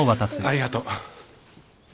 ありがとう。